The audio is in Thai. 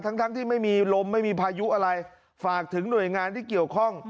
ทั้งทั้งที่ไม่มีลมไม่มีพายุอะไรฝากถึงหน่วยงานที่เกี่ยวข้อง